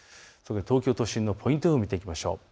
東京都心のポイント予報を見ていきましょう。